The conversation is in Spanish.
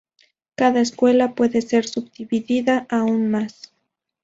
Cada escuela puede ser subdividida aún más.